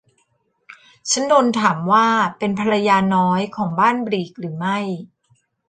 ฉันโดนถามว่าเป็นภรรยาน้อยของบ้านบลีกหรือไม่